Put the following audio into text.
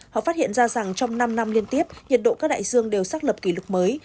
họ phát hiện ra rằng trong năm năm liên tiếp nhiệt độ các đại dương đều xác lập kỷ lục mới